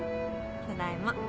ただいま。